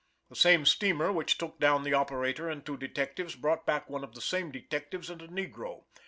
The same steamer which took down the operator and two detectives. brought back one of the same detectives and a negro.